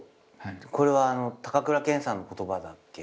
これは高倉健さんの言葉だけど。